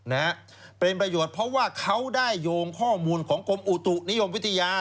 นะฮะเป็นประโยชน์เพราะว่าเขาได้โยงข้อมูลของกรมอุตุนิยมวิทยา